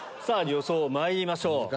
さぁ予想まいりましょう。